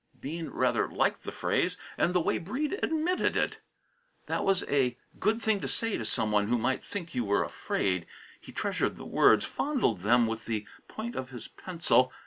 Bean rather liked the phrase and the way Breede emitted it. That was a good thing to say to some one who might think you were afraid. He treasured the words; fondled them with the point of his pencil.